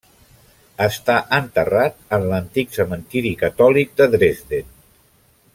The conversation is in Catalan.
Està enterrat en l'Antic Cementiri Catòlic de Dresden.